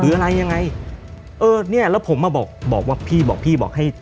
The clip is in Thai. อะไรยังไงเออเนี้ยแล้วผมมาบอกบอกว่าพี่บอกพี่บอกให้